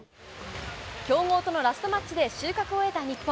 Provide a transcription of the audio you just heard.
強豪とのラストマッチで収穫を得た日本。